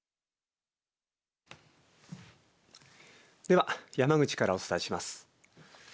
では山口からお伝えします。